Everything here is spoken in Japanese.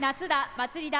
祭りだ！！